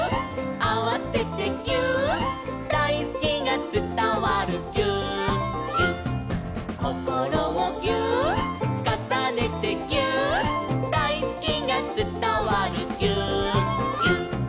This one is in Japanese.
「あわせてぎゅーっ」「だいすきがつたわるぎゅーっぎゅっ」「こころをぎゅーっ」「かさねてぎゅーっ」「だいすきがつたわるぎゅーっぎゅっ」